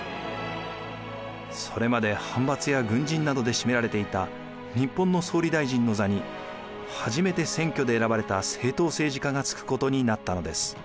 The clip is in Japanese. それまで藩閥や軍人などで占められていた日本の総理大臣の座に初めて選挙で選ばれた政党政治家が就くことになったのです。